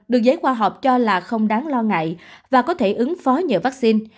được giới khoa học cho là không đáng lo ngại và có thể ứng phó nhờ vaccine